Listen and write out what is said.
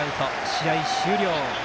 試合終了。